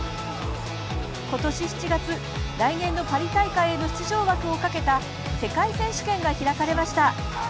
今年７月、来年のパリ大会への出場枠をかけた世界選手権が開かれました。